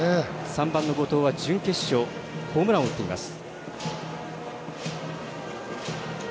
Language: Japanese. ３番の後藤は準決勝ホームランを打っています。